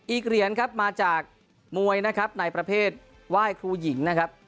อีกเหรียญมาจากมวยในประเภทไหว้ครูหญิงนะครับ